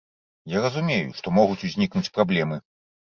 Я разумею, што могуць узнікнуць праблемы.